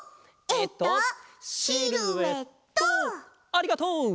ありがとう。